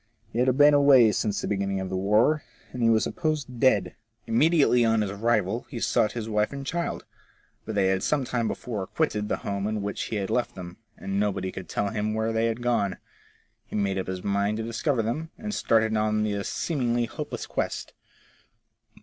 He had been away since the beginning of the war, and was supposed dead. Immediately on his arrival he sought his wife and child ; but they had some time before quitted FORECASTLE TRAITS. 99 the home in which he had left them, and nobody could tell him where they had gone. He made up his mind to discover them, and started on the seemingly hopeless quest.